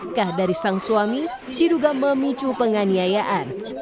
berkah dari sang suami diduga memicu penganiayaan